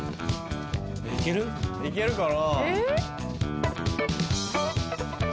行けるかな？